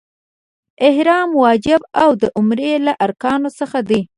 احرام واجب او د عمرې له ارکانو څخه دی.